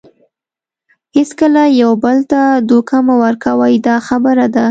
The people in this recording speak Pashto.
هیڅکله یو بل ته دوکه مه ورکوئ دا خبره ده.